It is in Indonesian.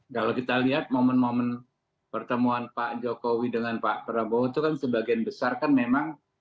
kalau kita lihat momen momen pertemuan pak jokowi dengan pak prabowo itu kan sebagian besar kan memang